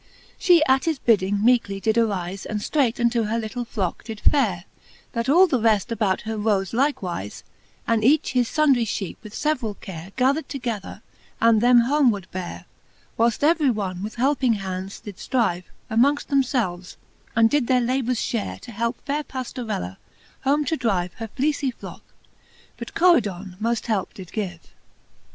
She at his bidding meekely did arife, And ftreight unto her Htle flocke did fare : Then all the reft about her rofe likewife, And each his fundrie fheepe with feverall care Gathered together, and them homeward bare : Whyleft everie one with helping hands did ftrive Amongft themfelves, and did their labours fhare, To helpe faire Pajiorelluy home to drive Her fleecie flocke j but Coridon moft helpe did give.